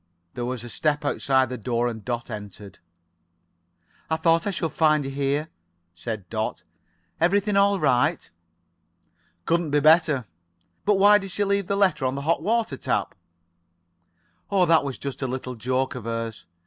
There was a step outside the door and Dot entered. "Thought I should find you here," said Dot. "Everything all right?" "Couldn't be better. But why did she leave the letter on the hot water tap?" "Oh, that was just a little joke of hers.